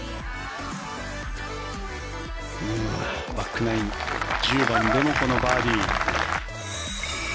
バックナイン１０番でもこのバーディー。